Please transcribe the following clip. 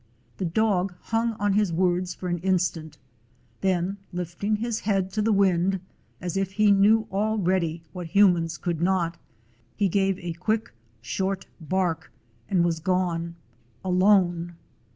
The dog hung on his words for an instant. Then, lifting his head to the wind, as if he knew already what humans could not, he gave a quick, short bark and was gone, alone.